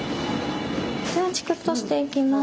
じゃあチクッとしていきます。